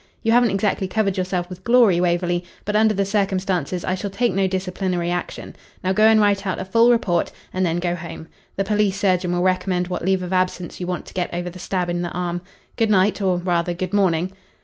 You haven't exactly covered yourself with glory, Waverley, but under the circumstances I shall take no disciplinary action. Now go and write out a full report, and then go home. The police surgeon will recommend what leave of absence you want to get over the stab in the arm. Good night or rather, good morning."